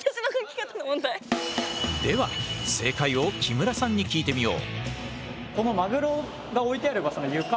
では正解を木村さんに聞いてみよう。